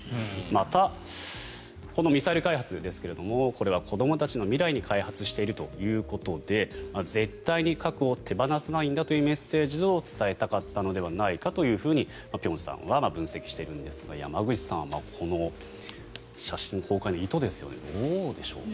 またこのミサイル開発ですがこれは子どもたちの未来のために開発しているということで絶対に核を手放さないんだというメッセージを伝えたかったのではないかというふうに辺さんは分析しているんですが山口さんはこの写真公開の意図ですよねどうでしょう。